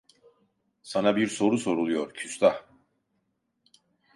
Sana bir soru soruluyor, küstah!